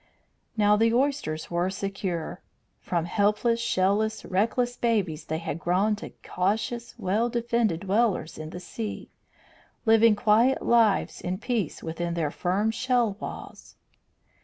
Now the oysters were secure. From helpless, shell less, reckless babies they had grown to cautious, well defended dwellers in the sea, living quiet lives in peace within their firm shell walls.